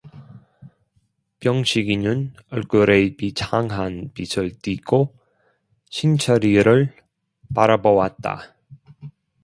병식이는 얼굴에 비창한 빛을 띠고 신철이를 바라보았다.